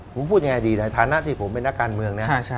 ผมพูดยังไงดีในฐานะที่ผมเป็นนักการเมืองนะ